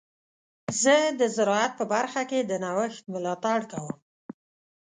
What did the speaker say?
زه د زراعت په برخه کې د نوښت ملاتړ کوم.